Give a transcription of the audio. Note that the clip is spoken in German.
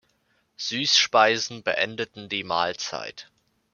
Süßspeisen beendeten die Mahlzeit.